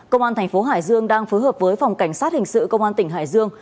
công an tp hải dương đang phối hợp với phòng cảnh sát hình sự công an tp hải dương